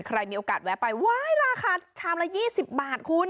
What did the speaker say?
ใครมีโอกาสแวะไปว้ายราคาชามละ๒๐บาทคุณ